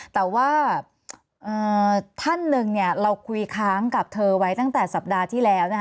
แต่ว่าท่านหนึ่งเราคุยค้างกับเธอไว้ตั้งแต่สัปดาห์ที่แล้ว